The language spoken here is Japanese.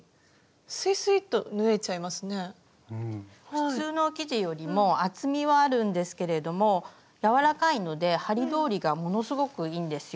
普通の生地よりも厚みはあるんですけれども柔らかいので針通りがものすごくいいんですよ。